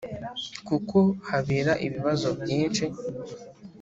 kuko habera ibibazo byinshi